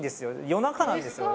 夜中なんですよ